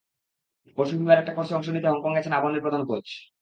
পরশু ফিফার একটা কোর্সে অংশ নিতে হংকং গেছেন আবাহনীর প্রধান কোচ।